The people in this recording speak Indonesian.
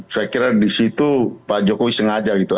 saya kira di situ pak jokowi sengaja gitu